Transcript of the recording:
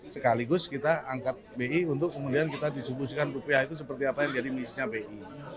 sekaligus kita angkat bi untuk kemudian kita distribusikan rupiah itu seperti apa yang jadi misinya bi